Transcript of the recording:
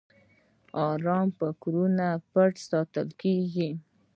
ارام فکرونه پټ پاتې کېږي.